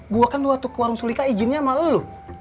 gue kan luatuk warung sulika izinnya sama lo